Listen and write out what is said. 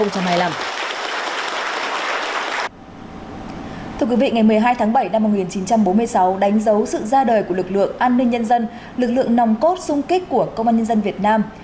thưa quý vị ngày một mươi hai tháng bảy năm một nghìn chín trăm bốn mươi sáu đánh dấu sự ra đời của lực lượng an ninh nhân dân lực lượng nòng cốt sung kích của công an nhân dân việt nam